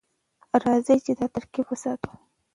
راځئ چې دا ترکیب وساتو.